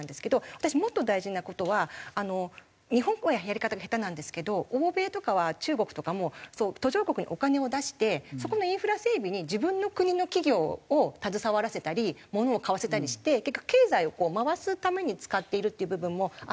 私もっと大事な事は日本はやり方が下手なんですけど欧米とかは中国とかも途上国にお金を出してそこのインフラ整備に自分の国の企業を携わらせたり物を買わせたりして結果経済を回すために使っているっていう部分もあったり。